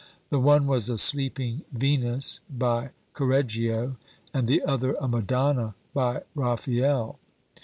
The one was a sleeping Venus by Correggio, and the other a Madonna by Raphael.